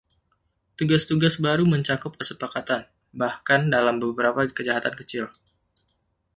Tugas-tugas baru mencakup kesepakatan, bahkan dalam beberapa kejahatan kecil.